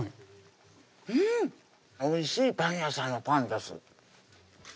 うんおいしいパン屋さんのパンです